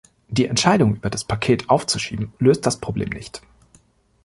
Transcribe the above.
Die Entscheidung über das Paket aufzuschieben, löst das Problem nicht.